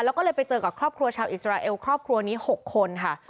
แล้วก็เลยไปเจอกับครอบครัวชาวอิสราเอลครอบครัวนี้๖คนค่ะ